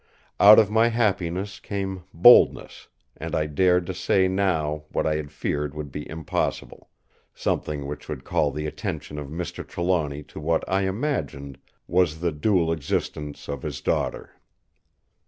Out of my happiness came boldness, and I dared to say now what I had feared would be impossible: something which would call the attention of Mr. Trelawny to what I imagined was the dual existence of his daughter.